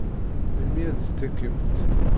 Melmi ay d-tettakimt?